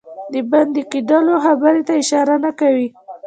د بندي کېدلو خبري ته اشاره نه کوي.